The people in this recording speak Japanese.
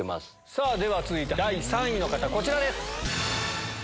さぁ続いて第３位の方こちらです。